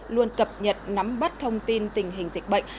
luôn cập nhật nắm bắt thông tin tình hình dịch bệnh